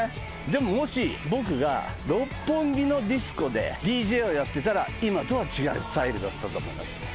でももし僕が六本木のディスコでＤＪをやってたら今とは違うスタイルだったと思います。